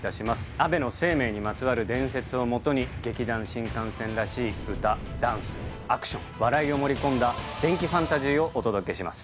安倍晴明にまつわる伝説を基に劇団☆新感線らしい歌ダンスアクション笑いを盛り込んだ伝記ファンタジーをお届けします